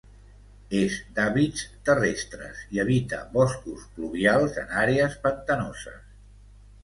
És d'hàbits terrestres i habita boscos pluvials, en àrees pantanoses.